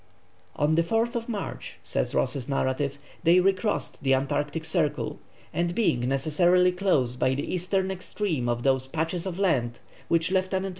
"On the 4th March," says Ross's narrative, "they recrossed the Antarctic Circle, and being necessarily close by the eastern extreme of those patches of land which Lieut.